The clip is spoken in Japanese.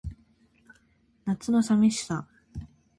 夏の淋しさ